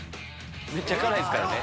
めっちゃ辛いっすからね。